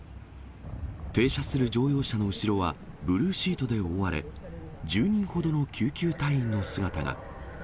停車する乗用車の後ろはブルーシートで覆われ、１０人ほどの救急隊員の姿が。